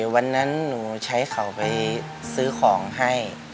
วันนั้นหนูใช้เขาไปซื้อของให้